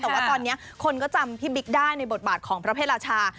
แต่ว่าตอนนี้คนก็จำพี่บิ๊กได้ในบทบาทของพระเพศราชา